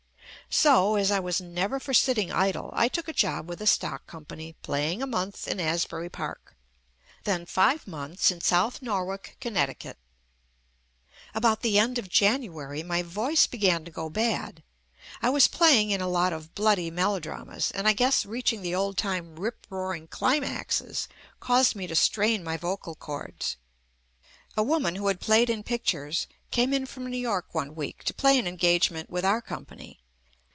So, as I was never for sitting idle, I took a job with a stock com pany playing a month in Asbury Park, then five months in South Norwalk, Connecticut. About the end of January my voice began to go bad. I was playing in a lot of bloody melodramas, and I guess reaching the old time rip roaring climaxes caused me to strain my vocal cords. A woman, who had played in pic tures, come on from New York one week to play an engagement with our company.